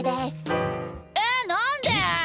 えなんで！？